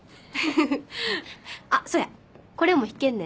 ふふっあっそやこれも弾けんね